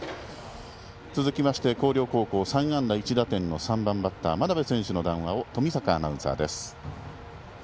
続きまして広陵高校、３安打１打点の３番バッター、真鍋選手の談話を冨坂アナウンサーです。